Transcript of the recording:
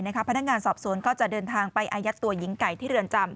พนักงานสอบสวนก็จะเดินทางไปอายัดตัวหญิงไก่ที่เรือนจำ